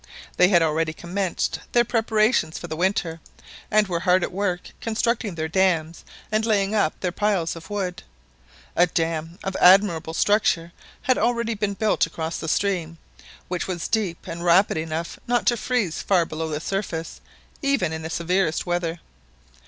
They had already commenced their preparations for the winter, and were hard at work constructing their dams and laying up their piles of wood. A dam of admirable structure had already been built across the stream, which was deep and rapid enough not to freeze far below the surface, even in the severest weather.